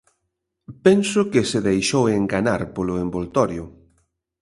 Penso que se deixou enganar polo envoltorio.